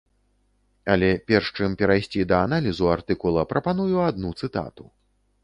Але перш чым перайсці да аналізу артыкула, прапаную адну цытату.